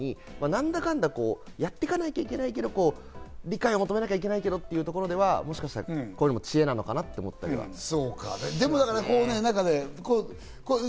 理解は必要だけど増税は嫌だっていう、なんだかんだやっていかなきゃいけないけど、理解を求めなきゃけいけないけど、というところでは、もしかしたら、こういうのも知恵なのかなと思っていますね。